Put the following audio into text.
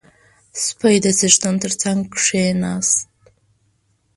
• سپی د څښتن تر څنګ کښېناست.